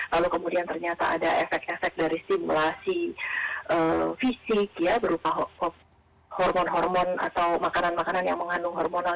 lalu kemudian ternyata ada efek efek dari simulasi fisik ya berupa hormon hormon atau makanan makanan yang mengandung hormonal